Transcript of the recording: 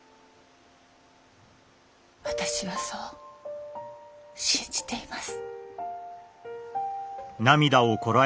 私はそう信じています。